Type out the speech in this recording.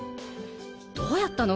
どうやったの？